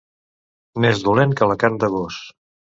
Més dolent que la carn de gos.